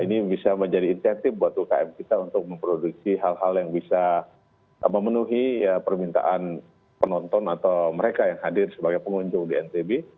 ini bisa menjadi insentif buat ukm kita untuk memproduksi hal hal yang bisa memenuhi permintaan penonton atau mereka yang hadir sebagai pengunjung di ntb